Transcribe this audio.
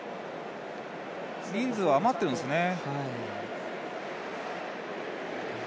人数は余ってるんですね。